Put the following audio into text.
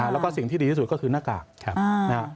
แล้วก็สิ่งที่ดีที่สุดก็คือหน้ากากครับ